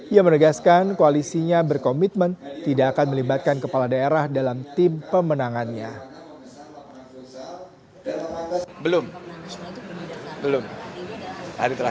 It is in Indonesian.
ia menegaskan koalisinya berkomitmen tidak akan melibatkan kepala daerah dalam tim pemenangannya